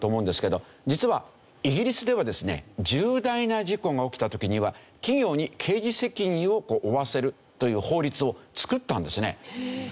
実はイギリスではですね重大な事故が起きた時には企業に刑事責任を負わせるという法律を作ったんですね。